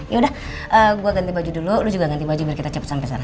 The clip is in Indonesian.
yaudah gue ganti baju dulu lo juga ganti baju biar kita cepet sampe sana